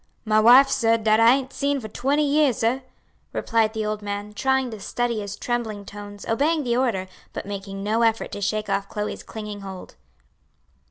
"My wife, sah, dat I ain't seed for twenty years, sah," replied the old man, trying to steady his trembling tones, obeying the order, but making no effort to shake off Chloe's clinging hold.